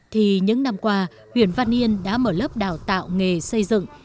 thì những năm qua huyện văn yên đã mở lớp đào tạo nghề xây dựng